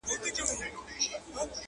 زما كيسه به ښايي نه وي د منلو؛